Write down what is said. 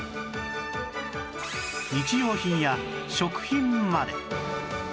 日用品や食品まで